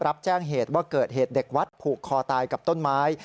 รับแจ้งเหตุว่าเกิดเหตุเด็กวัดผูกคอตายกับต้นไม้